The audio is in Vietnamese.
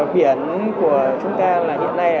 biển của chúng ta hiện nay